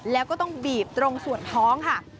แล้วก็ต้องบีบตรงส่วนท้องค่ะ